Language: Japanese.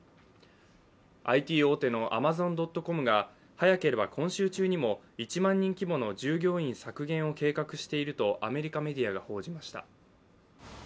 ＩＴ大手のアマゾン・ドット・コムが早ければ今週中にも１万人規模の従業員削減を計画しているとアメリカメディアが報じました。